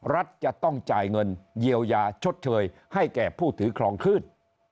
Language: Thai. รัฐจะต้องจ่ายเงินเยียวยาชดเชยให้แก่ผู้ถือครองขึ้น